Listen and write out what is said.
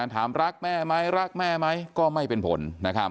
ถามรักแม่ไหมรักแม่ไหมก็ไม่เป็นผล